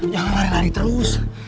jangan lari lari terus